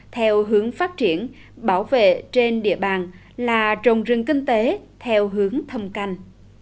theo hướng phát triển bảo vệ trên địa bàn là trồng rừng kinh tế theo hướng thâm canh